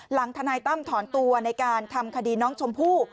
ทนายตั้มถอนตัวในการทำคดีน้องชมพู่